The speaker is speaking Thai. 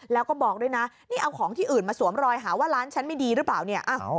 แล้วก็บอกด้วยนะนี่เอาของที่อื่นมาสวมรอยหาว่าร้านฉันไม่ดีหรือเปล่าเนี่ย